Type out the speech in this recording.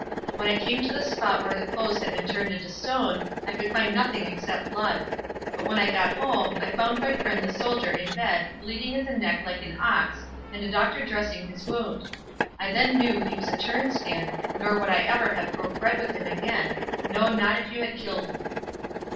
When I came to the spot where the clothes had been turned into stone, I could find nothing except blood. But when I got home, I found my friend the soldier in bed, bleeding at the neck like an ox, and a doctor dressing his wound. I then knew he was a turn skin, nor would I ever have broke bread with him again; No, not if you had killed me."